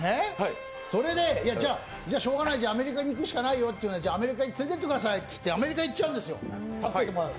じゃ、しょうがないアメリカに行くしかないよというんでアメリカに連れてってくださいって言ってアメリカに行っちゃうんですよ。